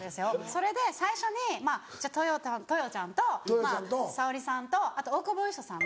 それで最初に豊ちゃんと沙保里さんとあと大久保嘉人さんと。